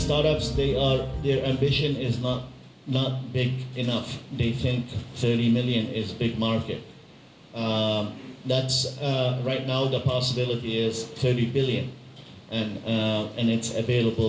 เพราะฉะนั้นผมไม่คิดว่ามันต้องเปรียบกับเงิน